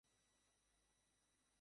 ঐটা ছোট আছে।